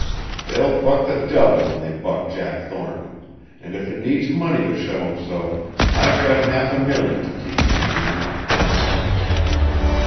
They'll buck the devil when they buck Jack Thornton, and if it needs money to show 'em so, I've got half a million to teach 'em the game!"